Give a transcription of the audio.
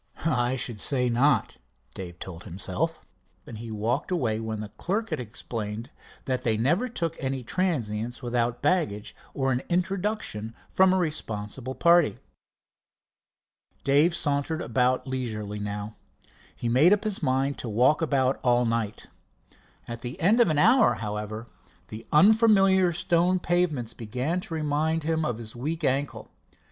"I should say not!" Dave told himself, and he walked away when the clerk had explained that they never took in transients without baggage or an introduction from a responsible party. Dave sauntered about leisurely now. He made up his mind to walk about all night. At the end of an hour, however, the unfamiliar stone pavements began to remind him of his weak ankle.